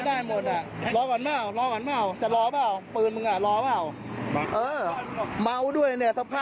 นี่นะครับกำลังจะหนีนะครับ